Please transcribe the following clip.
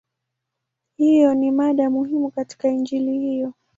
Hiyo ni mada muhimu katika Injili hiyo.